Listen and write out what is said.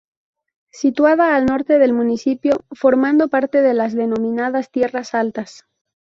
Situada al norte del municipio, formando parte de las denominadas "Tierras Altas".